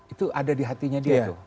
itu ada di hatinya dia tuh